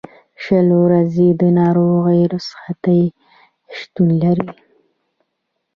شل ورځې د ناروغۍ رخصتۍ شتون لري.